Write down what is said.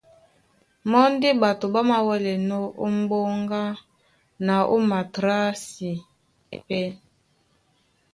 Mɔ́ ndé ɓato ɓá māwɛ́lɛnɔ́ ó m̀ɓóŋga na ó matrǎsi. Pɛ́.